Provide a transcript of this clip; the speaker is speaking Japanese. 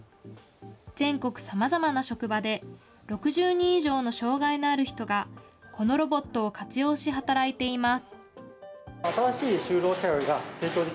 全国さまざまな職場で、６０人以上の障害のある人が、このロボットを活用し、働いています。